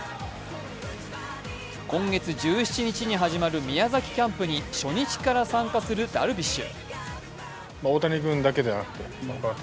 今月１７日に始まる宮崎キャンプに初日から参加するダルビッシュ。